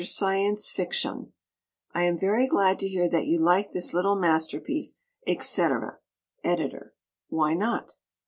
Syence Ficshun" (I am very glad to hear that you liked this little masterpiece, etc. Editor). Why not?